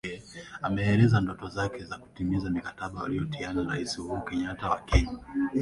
Ameelezea ndoto zake za kutimiza mikataba waliyotia na Rais Uhuru Kenyatta wa Kenya